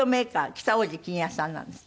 北大路欣也さんなんですって？